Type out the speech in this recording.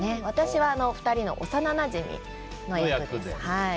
私は２人の幼なじみの役です。